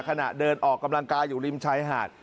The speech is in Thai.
ขณะเดินออกกำลังกายอยู่ริมชายหาด